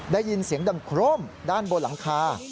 ได้ยินเสียงดังโคร่มด้านบนหลังคา